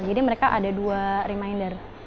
jadi mereka ada dua reminder